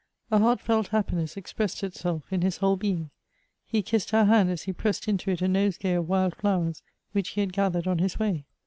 A heartfelt happiness expressed itself in his whole being. He kissed her hand as he pressed into it a nosegay of wild flowers, which he had gathered on his way.